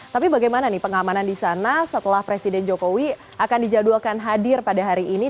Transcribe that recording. tapi bagaimana nih pengamanan di sana setelah presiden jokowi akan dijadwalkan hadir pada hari ini